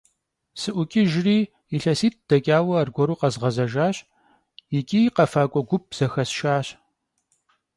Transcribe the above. Sı'uç'ıjjri, yilhesit' deç'aue argueru khezğezejjaş yiç'i khefak'ue gup zexesşşaş.